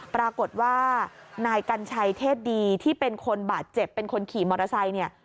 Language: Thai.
ปรากฏว่านายกัญชัยเทศดีที่เป็นคนบาดเจ็บเป็นคนขี่มอเตอร์ไซค์เนี่ย